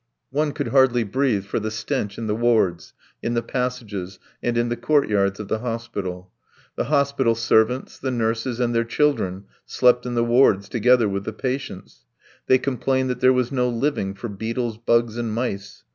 One could hardly breathe for the stench in the wards, in the passages, and in the courtyards of the hospital. The hospital servants, the nurses, and their children slept in the wards together with the patients. They complained that there was no living for beetles, bugs, and mice.